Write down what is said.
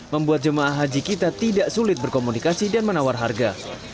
membuat jemaah haji kita tidak sulit berkomunikasi dan menawar harga